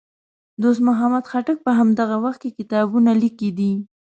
دوست محمد خټک په همدغه وخت کې کتابونه لیکي دي.